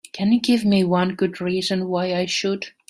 Can you give me one good reason why I should?